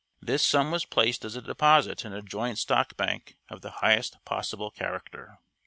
This sum was placed as a deposit in a joint stock bank of the highest possible character.